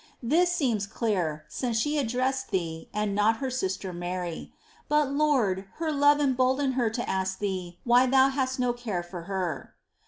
This seems clear, since she addressed Thee, and not her sister Mary : but. Lord, her love emboldened her to ask Thee why Thou hadst no care for her.